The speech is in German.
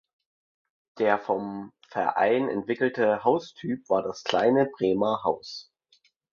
Der vom Verein entwickelte Haustyp war das kleine "Bremer Haus".